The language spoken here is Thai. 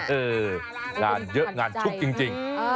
เอองานเยอะงานชุกจริง